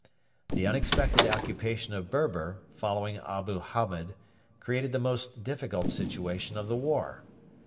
The unexpected occupation of Berber, following Abu Hamed, created the most difficult situation of the war.